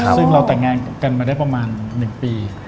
ซึ่งเราแต่งงานกันมาได้ประมาณ๑ปี